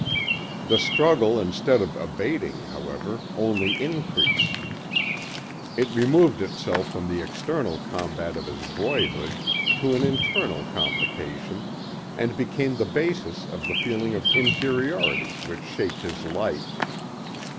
The struggle instead of abating, however, only increased. It removed itself from the external combat of his boyhood to an internal complication, and became the basis of the feeling of inferiority which shaped his life.